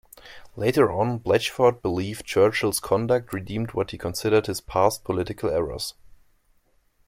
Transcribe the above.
Later on, Blatchford believed Churchill's conduct redeemed what he considered his past political errors.